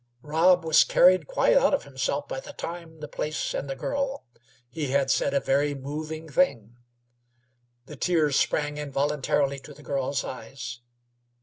Rob was carried quite out of himself by the time, the place, and the girl. He had said a very moving thing. The tears sprang involuntarily to the girl's eyes.